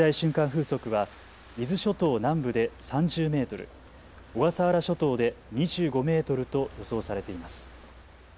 風速は伊豆諸島南部で３０メートル、小笠原諸島で２５メートルと予想されています。